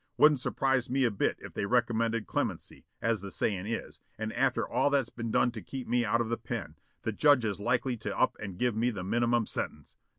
Wouldn't surprise me a bit if they recommended clemency, as the sayin' is, and after all that's been done to keep me out of the pen, the judge is likely to up and give me the minimum sentence.